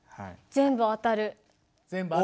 全部当たる？